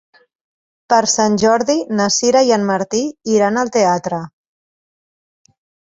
Per Sant Jordi na Sira i en Martí iran al teatre.